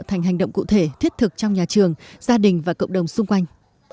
thành hành động cụ thể thiết thực trong nhà trường gia đình và cộng đồng xung quanh